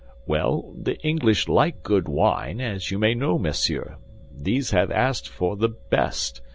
"Well, the English like good wine, as you may know, monsieur; these have asked for the best.